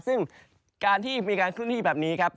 ซึ่งการที่มีการเคลื่อนที่แบบนี้ครับ